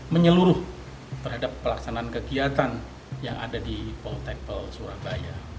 menyeluruh terhadap pelaksanaan kegiatan yang ada di poltempel surabaya